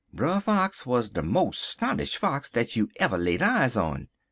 Brer Fox wuz de mos' 'stonish Fox dat you ever laid eyes on.